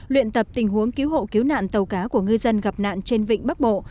luyện tập tình huống cứu hộ cứu nạn tàu cá của ngư dân gặp nạn trên vịnh bắc bộ